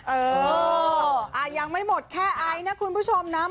เออยังไม่หมดแค่ไอซ์นะคุณผู้ชมนะ